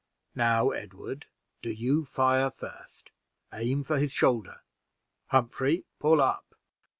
"Now, Edward, do you fire first aim for his shoulder. Humphrey, pull up."